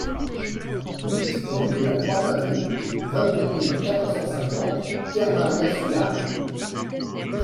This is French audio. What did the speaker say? huit rue de la Croix Pavée, vingt-deux mille quatre cent cinquante Kermaria-Sulard